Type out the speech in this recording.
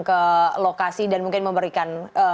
ke lokasi dan mungkin memberikan